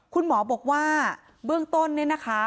คุณหมอบอกว่าเบื้องต้นเนี่ยนะคะ